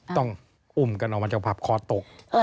ต้องอุ้มกันออกมาจากผับคอตก